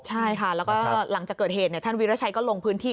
ใช่ค่ะแล้วก็หลังจากเกิดเหตุท่านวิราชัยก็ลงพื้นที่